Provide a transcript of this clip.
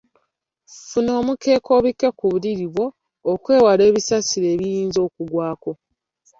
Funa omukeeka obikke ku buliri bwo okwewala ebisaaniiko ebiyinza okugwako.